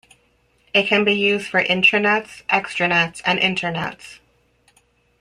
It can be used for intranets, extranets and internets.